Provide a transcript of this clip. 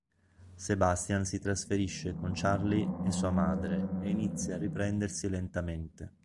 Sebastian si trasferisce con Charlie e sua madre e inizia a riprendersi lentamente.